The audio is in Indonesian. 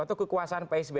atau kekuasaan pak sby